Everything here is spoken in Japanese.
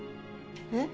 えっ？